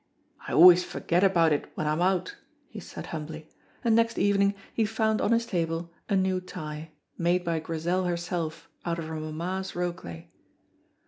"I always forget about it when I'm out," he said humbly, and next evening he found on his table a new tie, made by Grizel herself out of her mamma's rokelay.